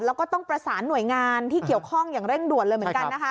แล้วก็ต้องประสานหน่วยงานที่เกี่ยวข้องอย่างเร่งด่วนเลยเหมือนกันนะคะ